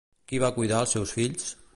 Qui va cuidar els seus fills?